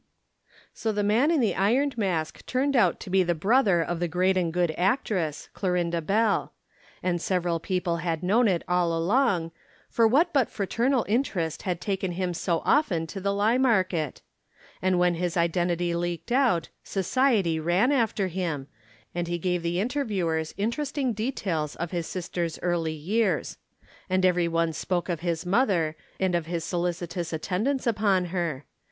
So the man in the Ironed Mask turned out to be the brother of the great and good actress, Clorinda Bell. And several people had known it all along, for what but fraternal interest had taken him so often to the Lymarket? And when his identity leaked out, Society ran after him, and he gave the interviewers interesting details of his sister's early years. And everyone spoke of his mother, and of his solicitous attendance upon her.